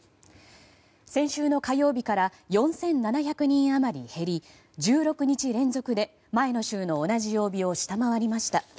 先週の火曜日から４７００人余り減り１６日連続で前の週の同じ曜日を下回りました。